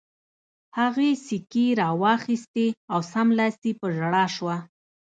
هغې سیکې را واخیستې او سملاسي په ژړا شوه